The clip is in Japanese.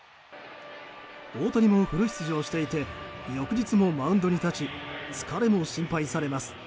大谷もフル出場していて翌日もマウンドに立ち疲れも心配されます。